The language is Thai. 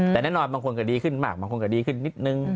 แต่แน่นอนบางคนก็ดีขึ้นมากบางคนก็ดีขึ้นนิดนึง